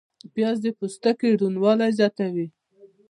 پیاز د پوستکي روڼوالی زیاتوي